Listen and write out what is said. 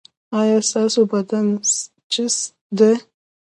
ایا ستاسو بدن چست دی؟